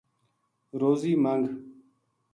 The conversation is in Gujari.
روزی منگ ـ